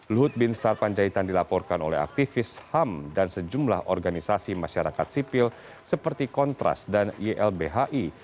luhut bin sarpanjaitan dilaporkan oleh aktivis ham dan sejumlah organisasi masyarakat sipil seperti kontras dan ylbhi